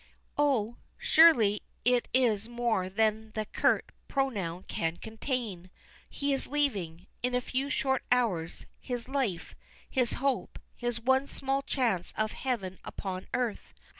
Oh! surely it is more than that curt pronoun can contain. He is leaving, in a few short hours, his life, his hope, his one small chance of heaven upon earth.